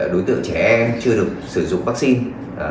đối tượng trẻ chưa được sử dụng vaccine